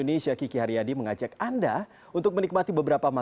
terus juga ada siomay basahnya